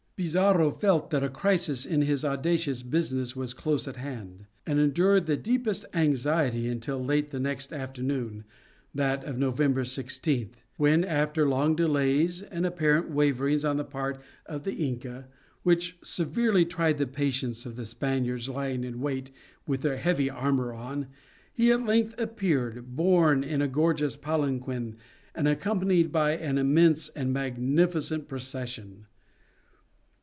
Pizarro felt that a crisis in his audacious business was close at hand; and endured the deepest anxiety until late the next afternoon, that of November 16th, when, after long delays and apparent waverings on the part of the Inca, which severely tried the patience of the Spaniards lying in wait with their heavy armor on, he at length appeared, borne in a gorgeous palanquin, and accompanied by an immense and magnificent procession.